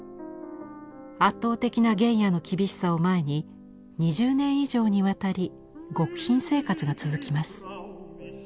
圧倒的な原野の厳しさを前に２０年以上にわたり極貧生活が続きます。